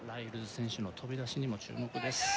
選手の飛び出しにも注目です